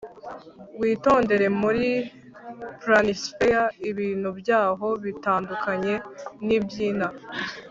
witondere muri planisphere, ibintu byaho bitandukanye nibyinaha